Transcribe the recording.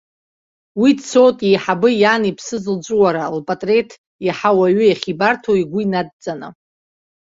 Уи дцоит иеиҳабы иан иԥсыз лҵәуара, лпатреҭ иаҳа уаҩы иахьибарҭо игәы инадҵаны.